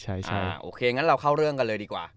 ใช่โอเคงั้นเราเข้าเรื่องกันเลยดีกว่า